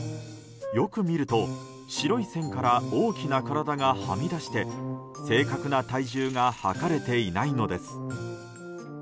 よく見ると白い線から大きな体がはみ出して、正確な体重がはかれていないのです。